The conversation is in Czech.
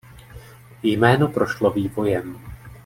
Jméno prošlo vývojem.